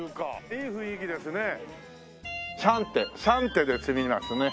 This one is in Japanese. ３手３手で詰みますね。